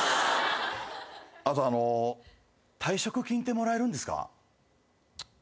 あとあの退職金ってもらえるんですか？